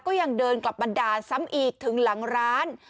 ก็ยังเดินกลับมาด่าซ้ำอีกถึงหลังร้าน